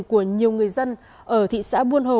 của nhiều người dân ở thị xã buôn hồ